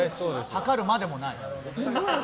量るまでもない。